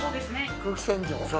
空気清浄。